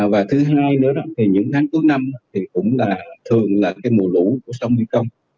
và thứ hai nữa đó thì những tháng cuối năm thì cũng là thường là cái mùa lũ của sông mekong